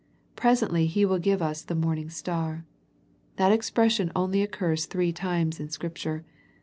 Presently He will give us the morning star. That ex pression only occurs three times in Scripture.